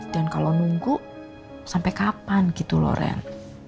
dan kalau nunggu sampai kapan gitu loh ren